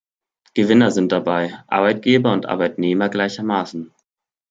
Gewinner sind dabei Arbeitgeber und Arbeitnehmer gleichermaßen.